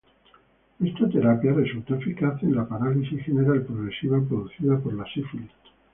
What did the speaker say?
Esta terapia resultó eficaz en la parálisis general progresiva producida por la sífilis.